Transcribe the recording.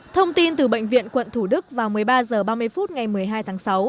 thông tin từ bệnh viện quận thủ đức vào một mươi ba h ba mươi phút ngày một mươi hai tháng sáu